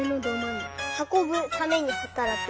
はこぶためにはたらく。